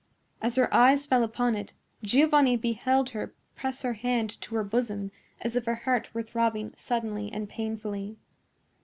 As her eyes fell upon it, Giovanni beheld her press her hand to her bosom as if her heart were throbbing suddenly and painfully.